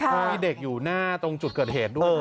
มีเด็กอยู่หน้าตรงจุดเกิดเหตุด้วย